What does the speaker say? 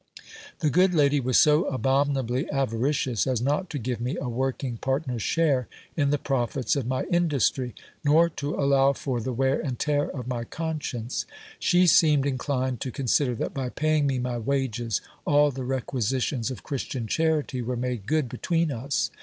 The good lady was so abominably avaricious, as not to give me a working partner's share in the profits of my industry, nor to allow for the wear and tear of my conscience. She seemed inclined to consider, that by paying me my wages, all the requisitions of Christian charity were made good between us.